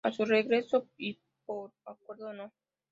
A su regreso y por Acuerdo No.